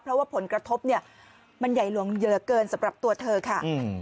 เพราะว่าผลกระทบเนี่ยมันใหญ่หลวงเยอะเกินสำหรับตัวเธอค่ะ